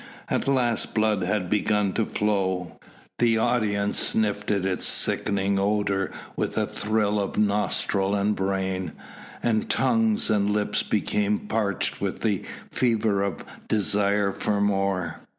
At last blood had begun to flow. The audience sniffed its sickening odour with a thrill of nostril and brain, and tongues and lips became parched with the fever of desire for more.